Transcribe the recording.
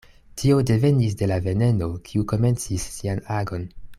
Tio devenis de la veneno, kiu komencis sian agon.